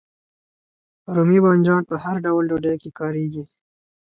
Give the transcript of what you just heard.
رومي بانجان په هر ډول ډوډۍ کې کاریږي.